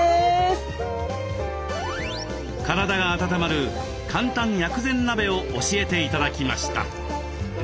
体が温まる簡単薬膳鍋を教えて頂きました。